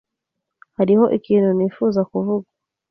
Hariho ikintu nifuza kuvuga.